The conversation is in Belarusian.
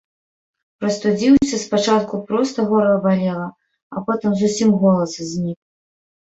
Прастудзіўся, спачатку проста горла балела, а потым зусім голас знік.